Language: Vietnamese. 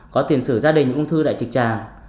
có tiền sử gia đình ung thư đại trực tràng